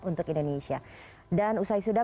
untuk indonesia dan usai sudah